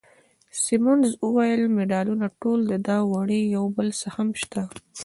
سیمونز وویل: مډالونه ټول ده وړي، یو بل څه هم شته.